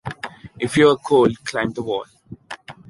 If you are cold, climb the wall.